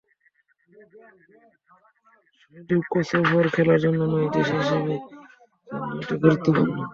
শুধু কসোভোর খেলার জন্যই নয়, দেশ হিসেবে কসোভোর জন্যও এটা গুরুত্বপূর্ণ।